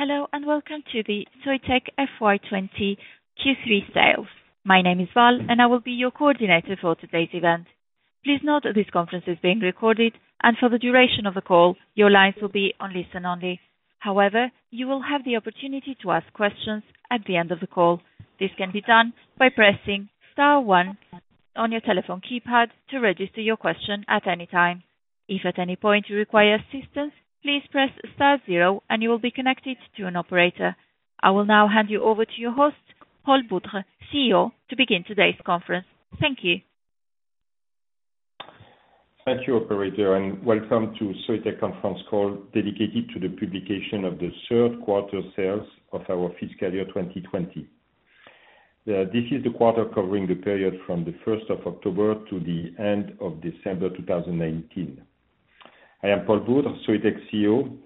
Hello and welcome to the Soitec FY 2020 Q3 Sales. My name is Val, and I will be your coordinator for today's event. Please note that this conference is being recorded, and for the duration of the call, your lines will be on listen only. However, you will have the opportunity to ask questions at the end of the call. This can be done by pressing star one on your telephone keypad to register your question at any time. If at any point you require assistance, please press star zero, and you will be connected to an operator. I will now hand you over to your host, Paul Boudre, CEO, to begin today's conference. Thank you. Thank you, operator, and welcome to Soitec Conference Call dedicated to the publication of the third quarter sales of our fiscal year 2020. This is the quarter covering the period from the 1st of October to the end of December 2019. I am Paul Boudre, Soitec CEO.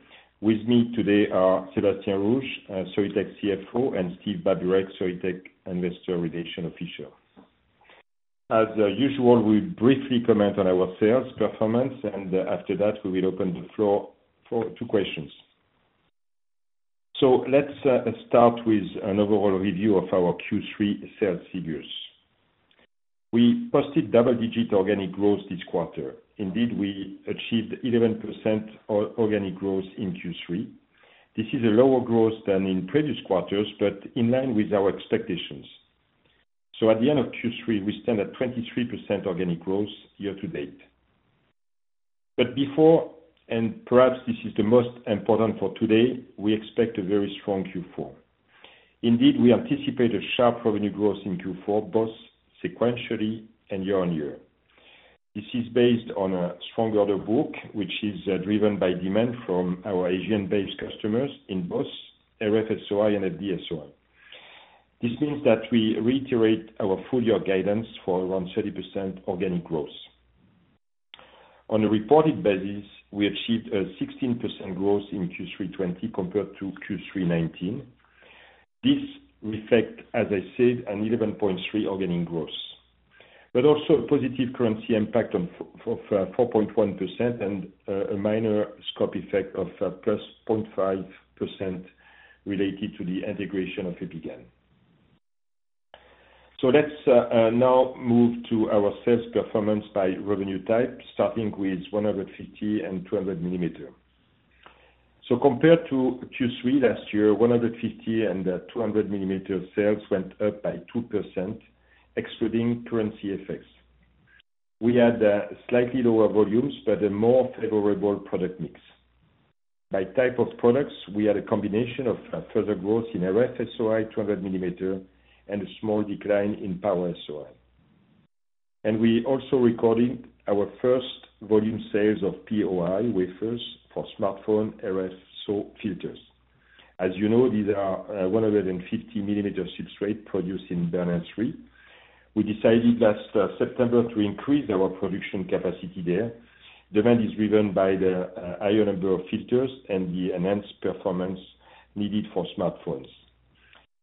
With me today are Sebastien Rouge, Soitec CFO, and Steve Babureck, Soitec Investor Relations Officer. As usual, we briefly comment on our sales performance, and after that, we will open the floor for two questions, so let's start with an overall review of our Q3 sales figures. We posted double-digit organic growth this quarter. Indeed, we achieved 11% organic growth in Q3. This is a lower growth than in previous quarters, but in line with our expectations, so at the end of Q3, we stand at 23% organic growth year to date. But before, and perhaps this is the most important for today, we expect a very strong Q4. Indeed, we anticipate a sharp revenue growth in Q4, both sequentially and year on year. This is based on a strong order book, which is driven by demand from our Asian-based customers in both RF-SOI and FD-SOI. This means that we reiterate our full-year guidance for around 30% organic growth. On a reported basis, we achieved a 16% growth in Q320 compared to Q319. This reflects, as I said, an 11.3% organic growth, but also a positive currency impact of 4.1% and a minor scope effect of plus 0.5% related to the integration of EpiGaN. So let's now move to our sales performance by revenue type, starting with 150 mm and 200 mm. So compared to Q3 last year, 150 mm and 200 mm sales went up by 2%, excluding currency effects. We had slightly lower volumes but a more favorable product mix. By type of products, we had a combination of further growth in RF-SOI 200 mm and a small decline in Power-SOI, and we also recorded our first volume sales of POI wafers for smartphone RF filters. As you know, these are 150 mm substrates produced in Bernin. We decided last September to increase our production capacity there. Demand is driven by the higher number of filters and the enhanced performance needed for smartphones.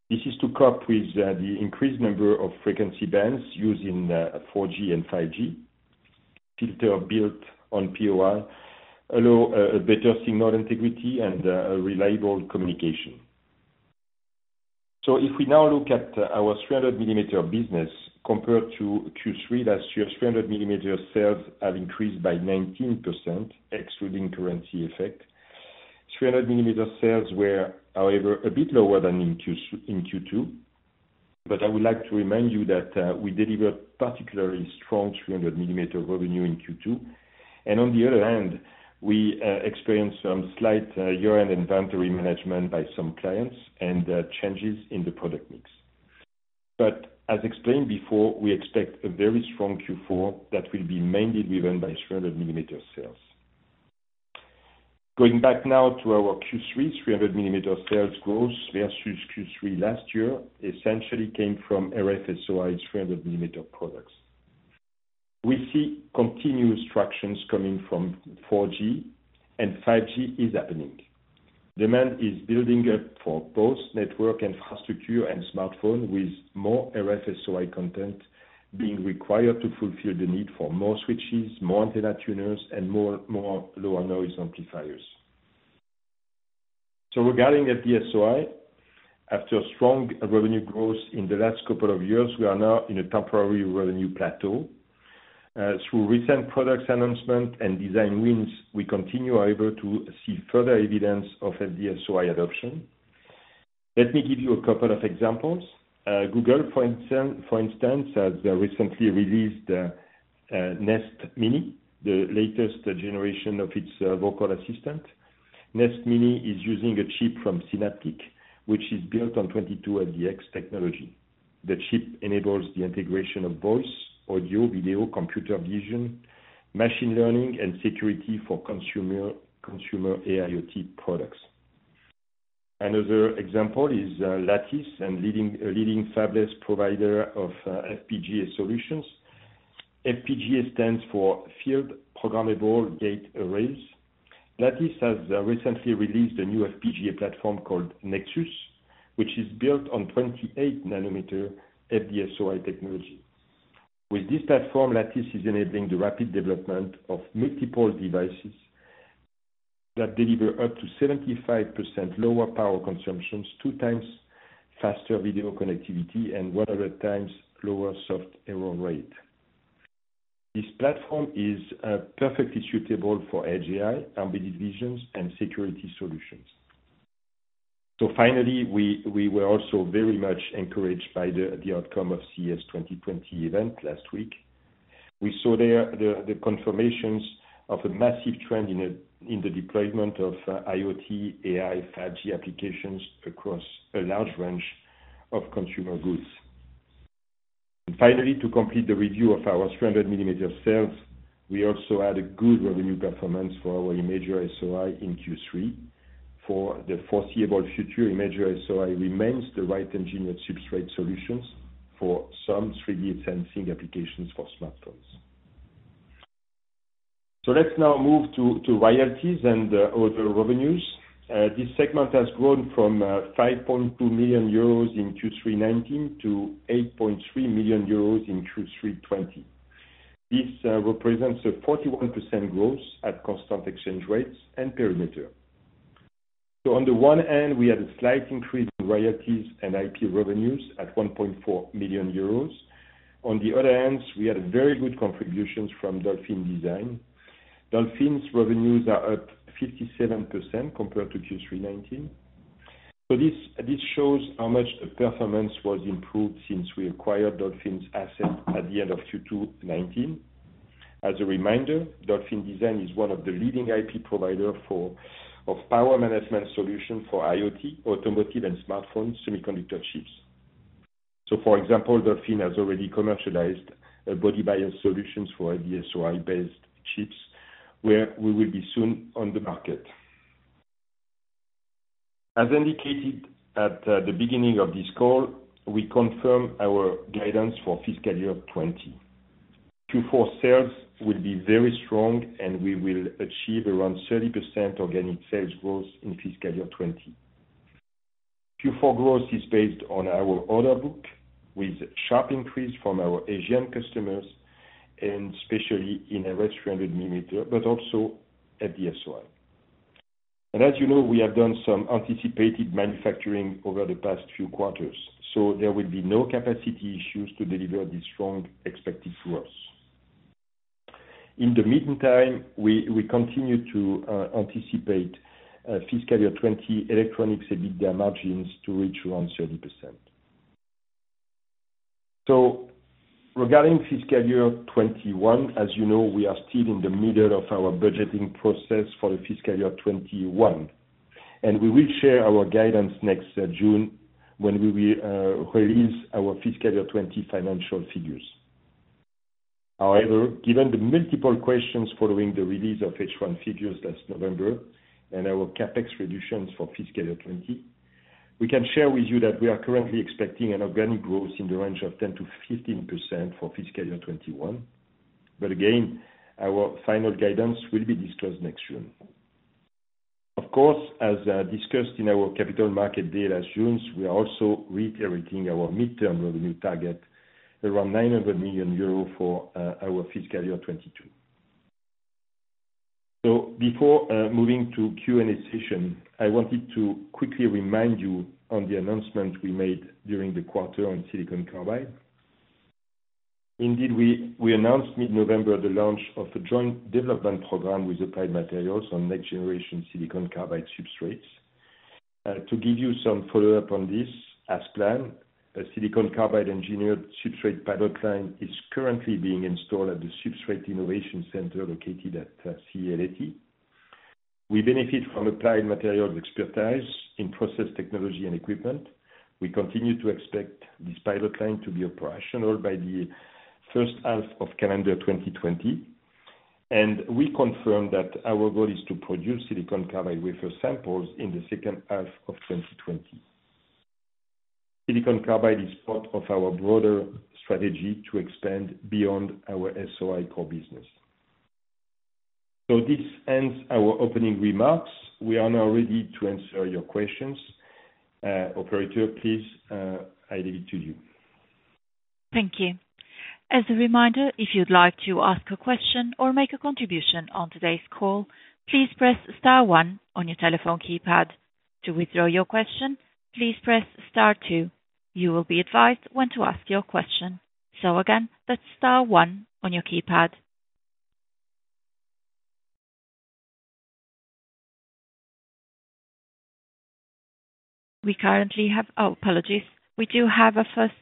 This is to cope with the increased number of frequency bands used in 4G and 5G. Filters built on POI allow a better signal integrity and reliable communication. If we now look at our 300 mm business compared to Q3 last year, 300 mm sales have increased by 19%, excluding currency effect. 300 mm sales were, however, a bit lower than in Q2, but I would like to remind you that we delivered particularly strong 300 mm revenue in Q2. And on the other hand, we experienced some slight year-end inventory management by some clients and changes in the product mix. But as explained before, we expect a very strong Q4 that will be mainly driven by 300 mm sales. Going back now to our Q3, 300 mm sales growth versus Q3 last year essentially came from RF-SOI 300 mm products. We see continuous traction coming from 4G, and 5G is happening. Demand is building up for both network infrastructure and smartphones, with more RF-SOI content being required to fulfill the need for more switches, more antenna tuners, and more lower noise amplifiers. Regarding FD-SOI, after strong revenue growth in the last couple of years, we are now in a temporary revenue plateau. Through recent products announcement and design wins, we continue, however, to see further evidence of FD-SOI adoption. Let me give you a couple of examples. Google, for instance, has recently released Nest Mini, the latest generation of its voice assistant. Nest Mini is using a chip from Synaptics, which is built on 22FDX technology. The chip enables the integration of voice, audio, video, computer vision, machine learning, and security for consumer AIoT products. Another example is Lattice, a leading fabless provider of FPGA solutions. FPGA stands for Field Programmable Gate Arrays. Lattice has recently released a new FPGA platform called Nexus, which is built on 28-nanometer FD-SOI technology. With this platform, Lattice is enabling the rapid development of multiple devices that deliver up to 75% lower power consumption, two times faster video connectivity, and 100 times lower soft error rate. This platform is perfectly suitable for edge AI, ambiguous visions, and security solutions. So finally, we were also very much encouraged by the outcome of CES 2020 event last week. We saw there the confirmations of a massive trend in the deployment of IoT, AI, 5G applications across a large range of consumer goods. Finally, to complete the review of our 300 mm sales, we also had a good revenue performance for our Imager-SOI in Q3. For the foreseeable future, Imager-SOI remains the right engineered substrate solutions for some 3D sensing applications for smartphones. So let's now move to royalties and other revenues. This segment has grown from 5.2 million euros in Q319 to 8.3 million euros in Q320. This represents a 41% growth at constant exchange rates and perimeter. So on the one hand, we had a slight increase in royalties and IP revenues at 1.4 million euros. On the other hand, we had very good contributions from Dolphin Design. Dolphin's revenues are up 57% compared to Q319. So this shows how much the performance was improved since we acquired Dolphin's asset at the end of Q219. As a reminder, Dolphin Design is one of the leading IP providers of power management solutions for IoT, automotive, and smartphone semiconductor chips. So for example, Dolphin has already commercialized body bias solutions for FD-SOI-based chips, where we will be soon on the market. As indicated at the beginning of this call, we confirm our guidance for fiscal year 2020. Q4 sales will be very strong, and we will achieve around 30% organic sales growth in fiscal year 2020. Q4 growth is based on our order book, with a sharp increase from our Asian customers, and especially in RF 300 mm, but also FD-SOI, and as you know, we have done some anticipated manufacturing over the past few quarters, so there will be no capacity issues to deliver this strong expected growth. In the meantime, we continue to anticipate fiscal year 2020 electronics EBITDA margins to reach around 30%, so regarding fiscal year 2021, as you know, we are still in the middle of our budgeting process for the fiscal year 2021, and we will share our guidance next June when we release our fiscal year 2020 financial figures. However, given the multiple questions following the release of H1 figures last November and our CapEx reductions for fiscal year 2020, we can share with you that we are currently expecting an organic growth in the range of 10%-15% for fiscal year 2021. But again, our final guidance will be disclosed next June. Of course, as discussed in our capital markets day last June, we are also reiterating our mid-term revenue target around 900 million euros for our fiscal year 2022. So before moving to Q&A session, I wanted to quickly remind you of the announcement we made during the quarter on silicon carbide. Indeed, we announced mid-November the launch of a joint development program with Applied Materials on next-generation silicon carbide substrates. To give you some follow-up on this, as planned, a silicon carbide engineered substrate pilot line is currently being installed at the Substrate Innovation Center located at CEA-Leti. We benefit from Applied Materials expertise in process technology and equipment. We continue to expect this pilot line to be operational by the first half of calendar 2020, and we confirm that our goal is to produce silicon carbide wafer samples in the second half of 2020. Silicon carbide is part of our broader strategy to expand beyond our SOI core business, so this ends our opening remarks. We are now ready to answer your questions. Operator, please. I leave it to you. Thank you. As a reminder, if you'd like to ask a question or make a contribution on today's call, please press star one on your telephone keypad. To withdraw your question, please press star two. You will be advised when to ask your question. So again, that's star one on your keypad. We currently have, oh, apologies, we do have a first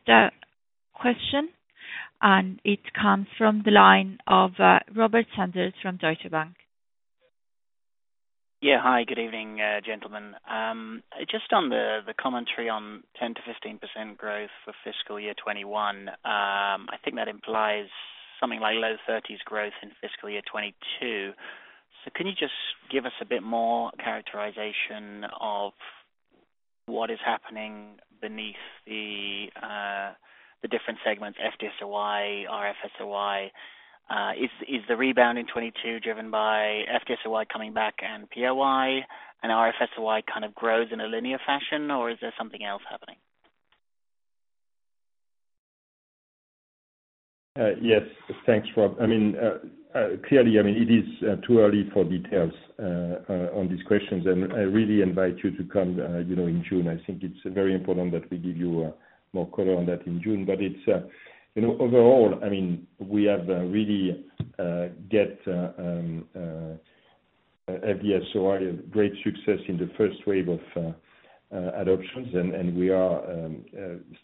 question, and it comes from the line of Robert Sanders from Deutsche Bank. Yeah, hi. Good evening, gentlemen. Just on the commentary on 10%-15% growth for fiscal year 2021, I think that implies something like low-30s% growth in fiscal year 2022. So can you just give us a bit more characterization of what is happening beneath the different segments: FD-SOI, RF-SOI? Is the rebound in 2022 driven by FD-SOI coming back and POI, and RF-SOI kind of grows in a linear fashion, or is there something else happening? Yes, thanks, Rob. I mean, clearly, I mean, it is too early for details on these questions, and I really invite you to come in June. I think it's very important that we give you more color on that in June. But overall, I mean, we have really got FD-SOI a great success in the first wave of adoptions, and we are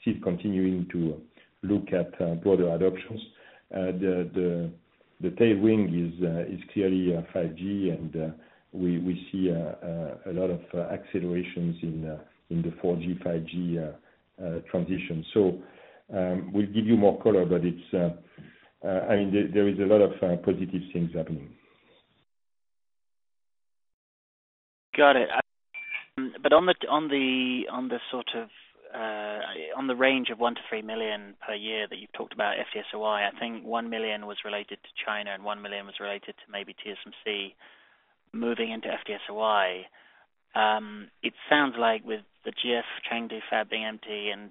still continuing to look at broader adoptions. The tailwind is clearly 5G, and we see a lot of accelerations in the 4G/5G transition. So we'll give you more color, but I mean, there is a lot of positive things happening. Got it, but on the sort of range of one to three million per year that you've talked about FD-SOI, I think one million was related to China and one million was related to maybe TSMC moving into FD-SOI. It sounds like with the GF Chengdu Fab being empty and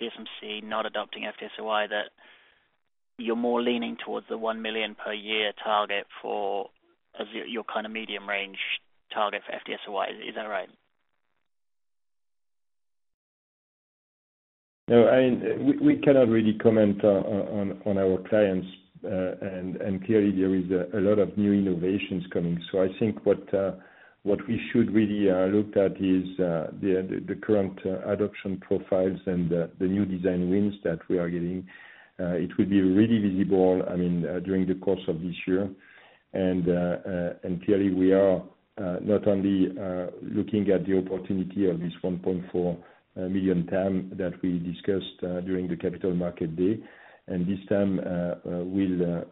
TSMC not adopting FD-SOI, that you're more leaning towards the one million per year target for your kind of medium-range target for FD-SOI. Is that right? No, I mean, we cannot really comment on our clients, and clearly, there is a lot of new innovations coming. So I think what we should really look at is the current adoption profiles and the new design wins that we are getting. It will be really visible, I mean, during the course of this year, and clearly, we are not only looking at the opportunity of this 1.4 million wafers that we discussed during the Capital Markets Day, and it will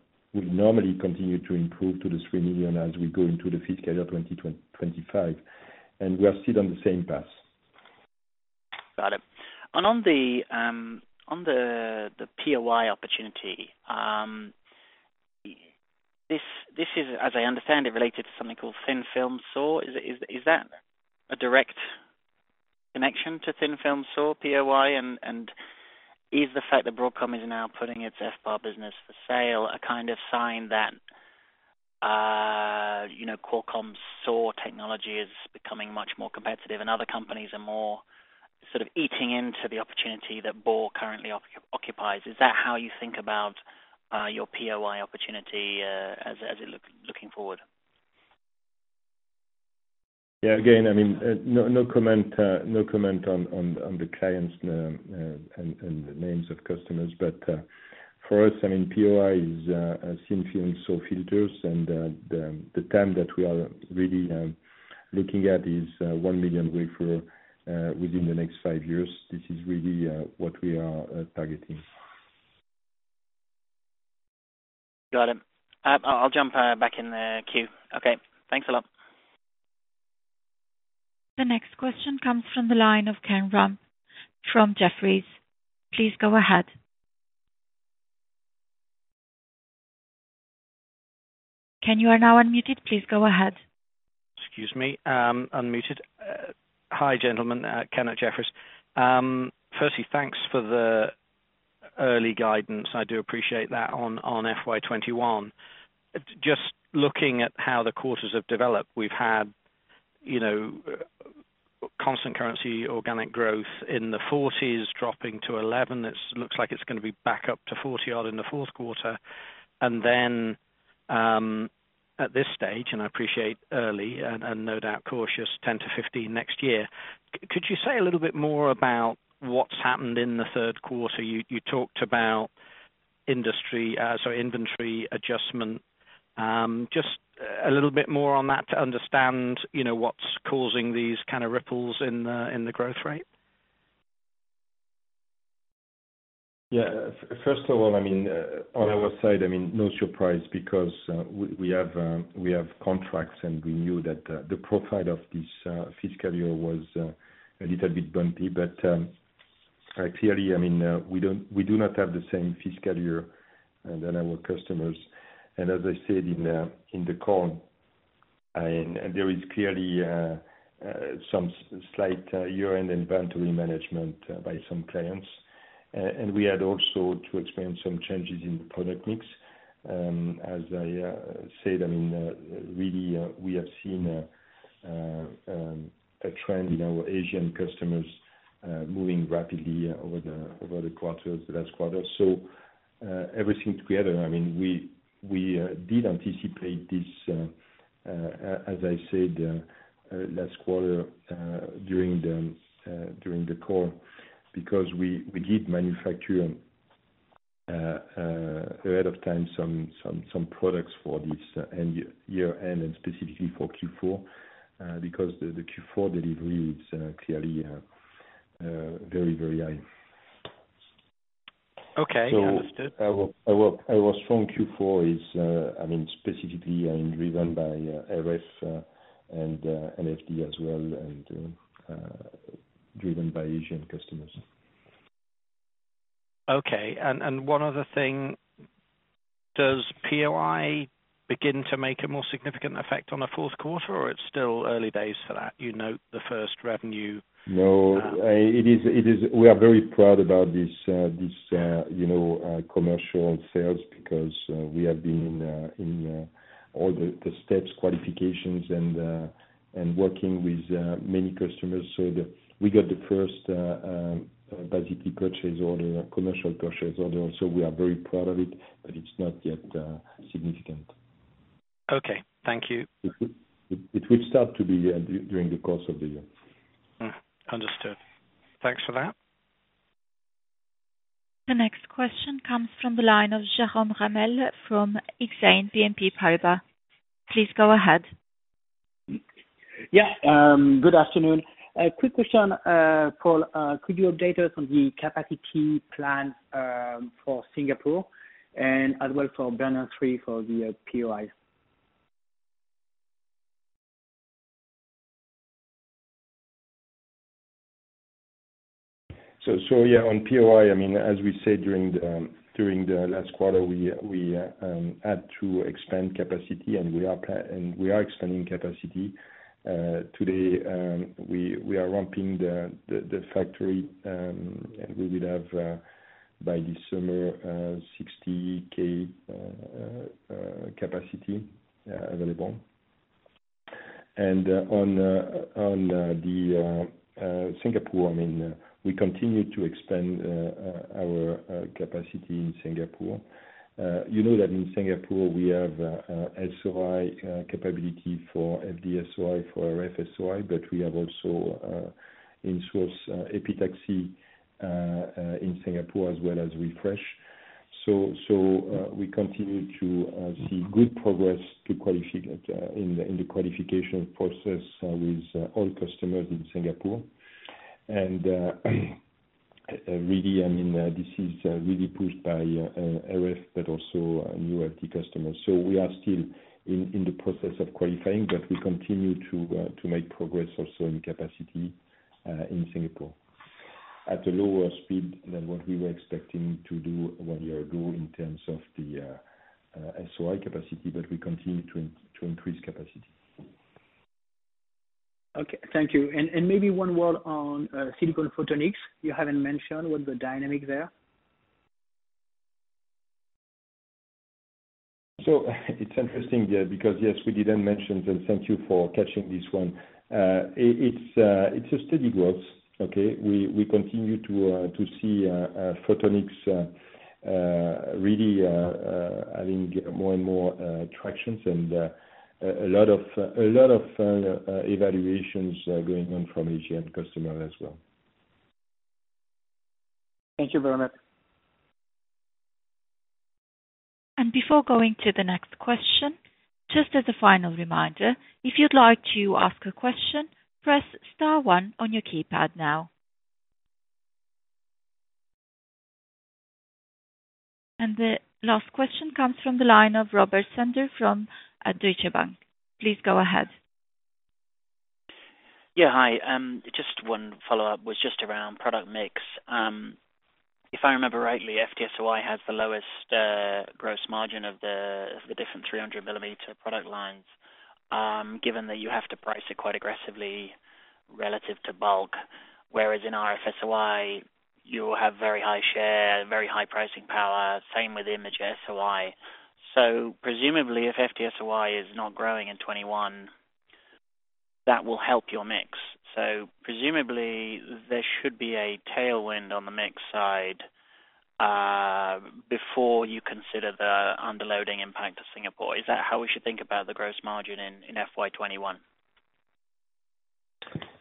normally continue to improve to the 3 million as we go into the fiscal year 2025, and we are still on the same path. Got it. And on the POI opportunity, this is, as I understand, related to something called Thin Film SAW. Is that a direct connection to Thin Film SAW POI? And is the fact that Broadcom is now putting its FBAR business for sale a kind of sign that Qualcomm's SAW technology is becoming much more competitive and other companies are more sort of eating into the opportunity that B currently occupies? Is that how you think about your POI opportunity as you're looking forward? Yeah, again, I mean, no comment on the clients and the names of customers. But for us, I mean, POI is Thin Film SAW filters, and the time that we are really looking at is one million wafers within the next five years. This is really what we are targeting. Got it. I'll jump back in the queue. Okay. Thanks a lot. The next question comes from the line of Ken Rumph from Jefferies. Please go ahead. Can you are now unmuted? Please go ahead. Excuse me. Unmuted. Hi, gentlemen. Ken Rumph. Firstly, thanks for the early guidance. I do appreciate that on FY21. Just looking at how the quarters have developed, we've had constant currency organic growth in the 40s dropping to 11%. It looks like it's going to be back up to 40 odd in the fourth quarter. And then at this stage, and I appreciate early and no doubt cautious 10%-15% next year, could you say a little bit more about what's happened in the third quarter? You talked about industry, sorry, inventory adjustment. Just a little bit more on that to understand what's causing these kind of ripples in the growth rate? Yeah. First of all, I mean, on our side, I mean, no surprise because we have contracts, and we knew that the profile of this fiscal year was a little bit bumpy. But clearly, I mean, we do not have the same fiscal year than our customers. And as I said in the call, there is clearly some slight year-end inventory management by some clients. And we had also to experience some changes in the product mix. As I said, I mean, really, we have seen a trend in our Asian customers moving rapidly over the last quarter. So everything together, I mean, we did anticipate this, as I said, last quarter during the call because we did manufacture ahead of time some products for this year-end and specifically for Q4 because the Q4 delivery is clearly very, very high. Okay. Understood. So our strong Q4 is, I mean, specifically driven by RF and FD as well and driven by Asian customers. Okay. And one other thing. Does POI begin to make a more significant effect on the fourth quarter, or it's still early days for that? You note the first revenue. No. It is. We are very proud about this commercial sales because we have been in all the steps, qualifications, and working with many customers. So we got the first basically purchase order, commercial purchase order. So we are very proud of it, but it's not yet significant. Okay. Thank you. It will start to be during the course of the year. Understood. Thanks for that. The next question comes from the line of Jérôme Ramel from Exane BNP Paribas. Please go ahead. Yeah. Good afternoon. Quick question, Paul. Could you update us on the capacity plan for Singapore and as well for Bernin site for the POI? So yeah, on POI, I mean, as we said during the last quarter, we had to expand capacity, and we are expanding capacity. Today, we are ramping the factory, and we will have by this summer 60K capacity available, and on the Singapore, I mean, we continue to expand our capacity in Singapore. You know that in Singapore, we have SOI capability for FD-SOI, for RF-SOI, but we have also in-sourced epitaxy in Singapore as well as refresh, so we continue to see good progress in the qualification process with all customers in Singapore, and really, I mean, this is really pushed by RF, but also new FD customers. We are still in the process of qualifying, but we continue to make progress also in capacity in Singapore at a lower speed than what we were expecting to do one year ago in terms of the SOI capacity, but we continue to increase capacity. Okay. Thank you. And maybe one word on silicon photonics. You haven't mentioned what the dynamic there. So it's interesting because, yes, we didn't mention, and thank you for catching this one. It's a steady growth. Okay. We continue to see photonics really having more and more traction and a lot of evaluations going on from Asian customers as well. Thank you very much. Before going to the next question, just as a final reminder, if you'd like to ask a question, press star one on your keypad now. The last question comes from the line of Robert Sanders from Deutsche Bank. Please go ahead. Yeah. Hi. Just one follow-up was just around product mix. If I remember rightly, FD-SOI has the lowest gross margin of the different 300-millimeter product lines, given that you have to price it quite aggressively relative to bulk, whereas in RF-SOI, you will have very high share, very high pricing power, same with Imager-SOI. So presumably, if FD-SOI is not growing in '21, that will help your mix. So presumably, there should be a tailwind on the mix side before you consider the underloading impact of Singapore. Is that how we should think about the gross margin in FY21?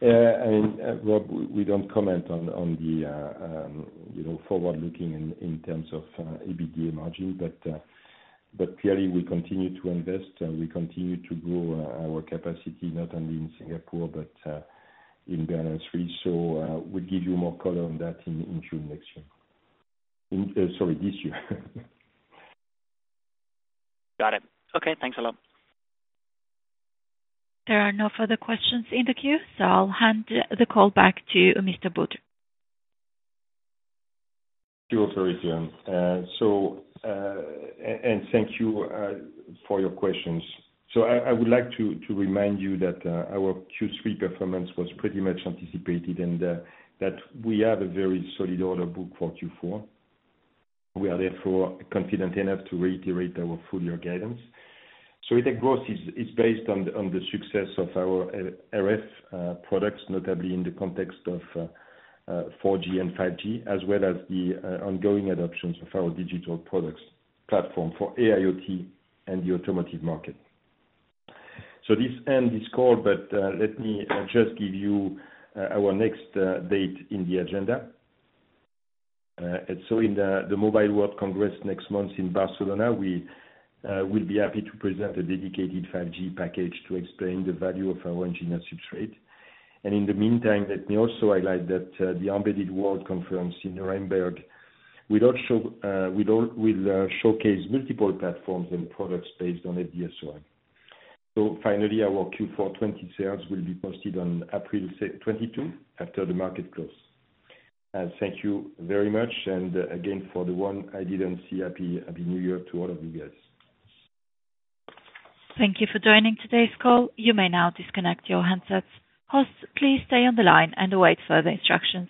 Yeah. I mean, Rob, we don't comment on the forward-looking in terms of EBITDA margin, but clearly, we continue to invest. We continue to grow our capacity not only in Singapore but in Bernin. So we'll give you more color on that in June next year. Sorry, this year. Got it. Okay. Thanks a lot. There are no further questions in the queue, so I'll hand the call back to Mr. Boudre. Thank you, operator. And thank you for your questions. So I would like to remind you that our Q3 performance was pretty much anticipated and that we have a very solid order book for Q4. We are, therefore, confident enough to reiterate our full year guidance. So the growth is based on the success of our RF products, notably in the context of 4G and 5G, as well as the ongoing adoptions of our digital products platform for AIoT and the automotive market. So this ends this call, but let me just give you our next date in the agenda. So in the Mobile World Congress next month in Barcelona, we will be happy to present a dedicated 5G package to explain the value of our engineered substrate. In the meantime, let me also highlight that the Embedded World conference in Nuremberg will showcase multiple platforms and products based on FD-SOI. Finally, our Q4 20 sales will be posted on April 22 after the market close. Thank you very much. Again, for the one I didn't see, happy New Year to all of you guys. Thank you for joining today's call. You may now disconnect your headsets. Hosts, please stay on the line and await further instructions.